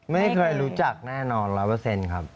ไม่เคยรู้จักแน่นอนละเปอร์เซ็นครับ